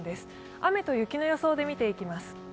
雨と雪の予想で見ていきます。